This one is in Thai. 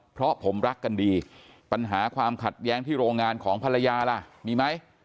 เพราะผมรักกันดีปัญหาความขัดแย้งที่โรงงานของภรรยาล่ะมีไหม